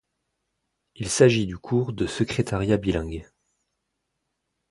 Il s’agit du cours de secrétariat bilingue.